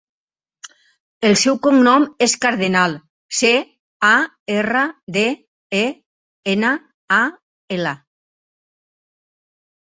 El seu cognom és Cardenal: ce, a, erra, de, e, ena, a, ela.